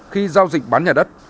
khi giao dịch bán nhà đất